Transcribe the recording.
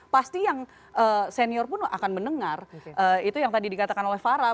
pasti yang senior pun akan mendengar itu yang tadi dikatakan oleh farah